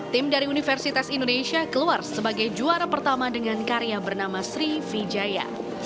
tim dari universitas indonesia keluar sebagai juara pertama dengan karya bernama sri vijaya